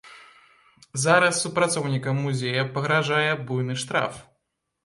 Зараз супрацоўнікам музея пагражае буйны штраф.